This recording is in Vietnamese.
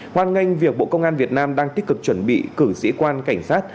hoan nghênh việc bộ công an việt nam đang tích cực chuẩn bị cử sĩ quan cảnh sát